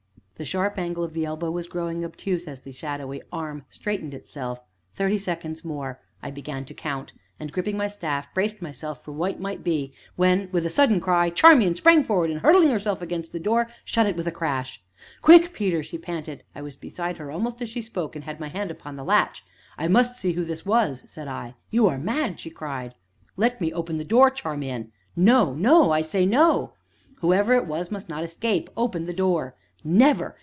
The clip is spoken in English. The sharp angle of the elbow was growing obtuse as the shadowy arm straightened itself. Thirty seconds more! I began to count, and, gripping my staff, braced myself for what might be, when with a sudden cry, Charmian sprang forward, and, hurling herself against the door, shut it with a crash. "Quick, Peter!" she panted. I was beside her almost as she spoke, and had my hand upon the latch. "I must see who this was," said I. "You are mad!" she cried. "Let me open the door, Charmian." "No, no I say no!" "Whoever it was must not escape open the door!" "Never!